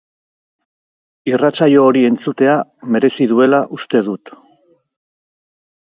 Irratsaio hori entzutea merezi duela uste dut.